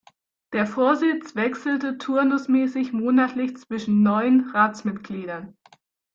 Der Vorsitz wechselte turnusmäßig monatlich zwischen neun Ratsmitgliedern.